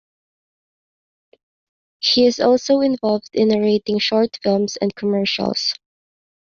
He is also involved in narrating short films and commercials.